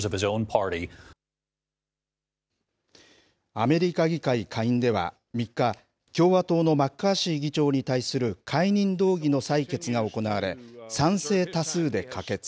アメリカ議会下院では、３日、共和党のマッカーシー議長に対する解任動議の採決が行われ、賛成多数で可決。